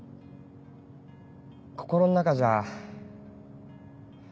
心の中じゃ。